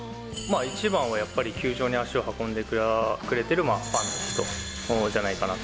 一番はやっぱり球場に足を運んでくれてるファンの人じゃないかなと。